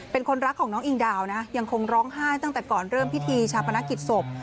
เป็นคนรักของน้องอิงดาวนะยังคงร้องไห้ตั้งแต่ก่อนเริ่มพิธีชาปนกิจศพ